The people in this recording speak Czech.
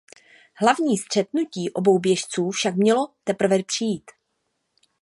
Hlavní střetnutí obou běžců však mělo teprve přijít.